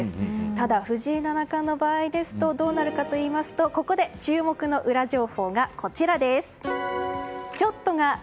ただ、藤井七冠の場合どうなるかというとここで注目のウラ情報がこちらです。